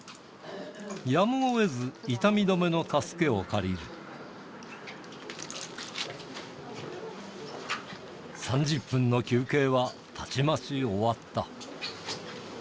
やむをえず痛み止めの助けを借り、３０分の休憩はたちまち終わった。